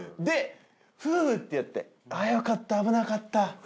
でフーってなってあぁよかった危なかった。